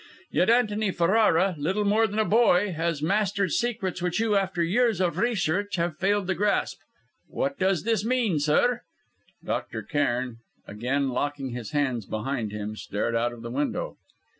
Yet Antony Ferrara, little more than a boy, has mastered secrets which you, after years of research, have failed to grasp. What does this mean, sir?" Dr. Cairn, again locking his hands behind him, stared out of the window.